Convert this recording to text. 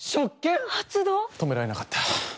止められなかった。